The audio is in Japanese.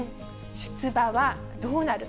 出馬はどうなる。